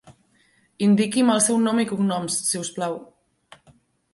Indiqui'm el seu nom i cognoms, si us plau.